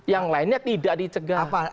yang lainnya tidak dicegah